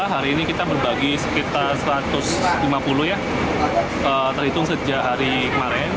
hari ini kita berbagi sekitar satu ratus lima puluh ya terhitung sejak hari kemarin